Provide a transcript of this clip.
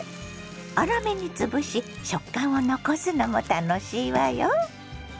粗めに潰し食感を残すのも楽しいわよ。